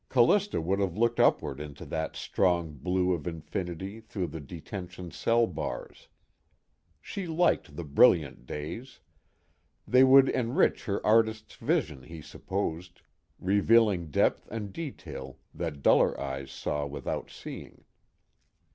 Callista would have looked upward into that strong blue of infinity through the detention cell bars. She liked the brilliant days. They would enrich her artist's vision, he supposed, revealing depth and detail that duller eyes saw without seeing.